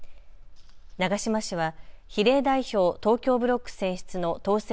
長島氏は比例代表・東京ブロック選出の当選